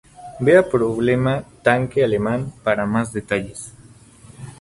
Vea problema tanque alemán para más detalles.